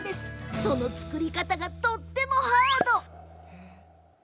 そのつくり方がとってもハード。